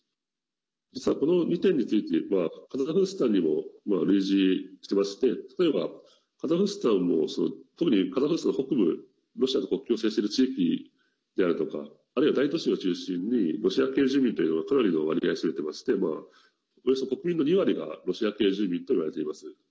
実は、この２点についてはカザフスタンにも類似してまして例えば、カザフスタンも特にカザフスタンの北部ロシアと国境を接している地域であるとかあるいは大都市を中心にロシア系住民というのがかなりの割合を占めてましておよそ国民の２割がロシア系住民といわれています。